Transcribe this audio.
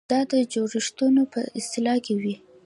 دا د جوړښتونو په اصلاح کې وي.